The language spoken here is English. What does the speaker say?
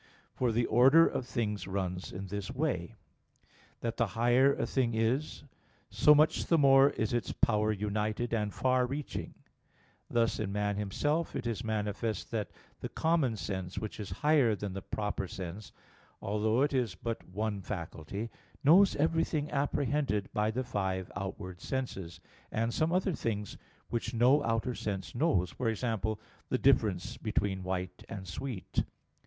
For the order of things runs in this way, that the higher a thing is, so much the more is its power united and far reaching: thus in man himself it is manifest that the common sense which is higher than the proper sense, although it is but one faculty, knows everything apprehended by the five outward senses, and some other things which no outer sense knows; for example, the difference between white and sweet.